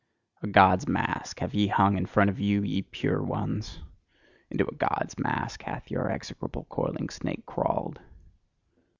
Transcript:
A God's mask have ye hung in front of you, ye "pure ones": into a God's mask hath your execrable coiling snake crawled.